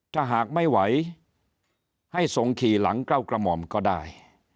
ถ้าหากไม่ไหวให้ทรงขี่หลังเก้ากระหม่อมก็ได้